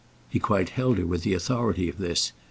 He quite held her with the authority of this.